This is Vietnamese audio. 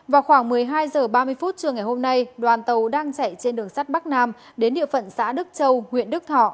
vào khoảng một mươi hai h ba mươi phút trưa ngày hôm nay đoàn tàu đang chạy trên đường sắt bắc nam đến địa phận xã đức châu huyện đức thọ